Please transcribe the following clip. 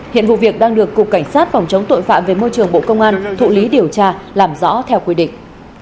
hiện vụ việc đang được cục cảnh sát phòng chống tội phạm về môi trường bộ công an thụ lý điều tra làm rõ theo quy định